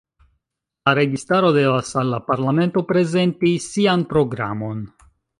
La registaro devas al la parlamento prezenti sian programon.